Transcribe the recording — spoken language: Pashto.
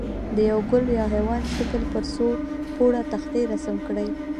د یوه ګل یا حیوان شکل پر څو پوړه تختې رسم کړئ.